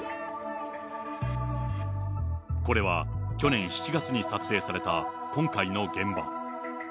これは去年７月に撮影された今回の現場。